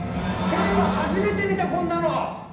初めて見たこんなの！